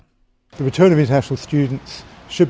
pembelajaran pelajar internasional harus diwakili